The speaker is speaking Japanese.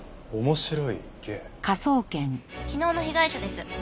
昨日の被害者です。